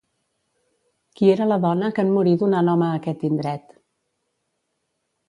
qui era la dona que en morir donà nom a aquest indret